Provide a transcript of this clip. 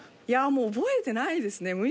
いや、もう覚えてないですね。